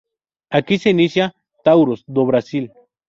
Aquí se inicia "Taurus do Brasil".